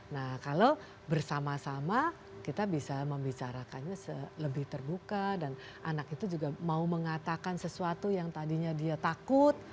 nah kalau bersama sama kita bisa membicarakannya lebih terbuka dan anak itu juga mau mengatakan sesuatu yang tadinya dia takut